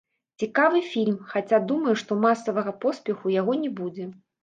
Цікавы фільм, хаця, думаю, што масавага поспеху ў яго не будзе.